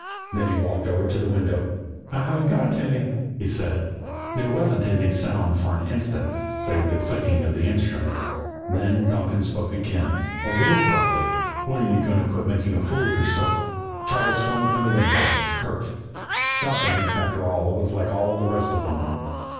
Then he walked over to the window. "I haven't got any," he said. There wasn't any sound for an instant, save the clicking of the instruments; then Donkin spoke again a little gruffly: "When are you going to quit making a fool of yourself?" Toddles swung from the window, hurt. Donkin, after all, was like all the rest of them.